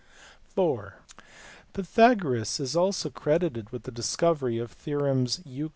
(iv) Pythagoras is also credited with the discovery of the theorems Euc.